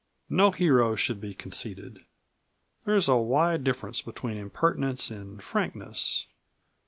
No hero should be conceited. There is a wide difference between impertinence and frankness.